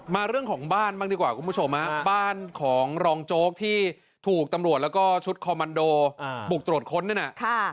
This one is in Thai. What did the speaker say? เรื่องของบ้านบ้างดีกว่าคุณผู้ชมฮะบ้านของรองโจ๊กที่ถูกตำรวจแล้วก็ชุดคอมมันโดบุกตรวจค้นนั่นน่ะ